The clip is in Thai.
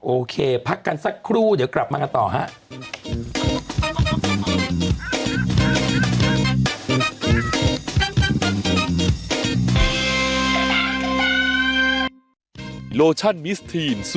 โอเคพักกันสักครู่เดี๋ยวกลับมากันต่อฮะ